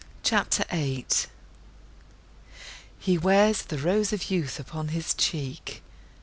CHAPTER VIII He wears the rose of youth upon his cheek.